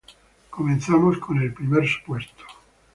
Comenzamos con el primer supuesto.